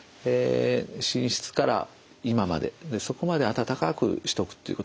寝室から居間までそこまで暖かくしておくということですね。